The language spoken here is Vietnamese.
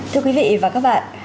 thưa quý vị và các bạn